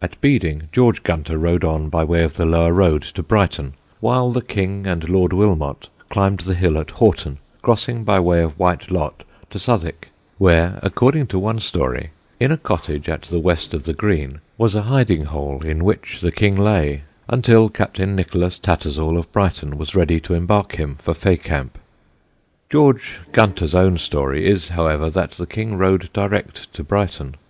At Beeding, George Gunter rode on by way of the lower road to Brighton, while the King and Lord Wilmot climbed the hill at Horton, crossing by way of White Lot to Southwick, where, according to one story, in a cottage at the west of the Green was a hiding hole in which the King lay until Captain Nicholas Tattersall of Brighton was ready to embark him for Fécamp. George Gunter's own story is, however, that the King rode direct to Brighton.